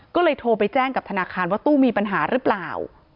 ก็เลยโทรไปแจ้งกับธนาคารว่าตู้มีปัญหาหรือเปล่า